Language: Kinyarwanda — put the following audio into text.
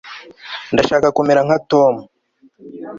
ndashaka kumera nka tom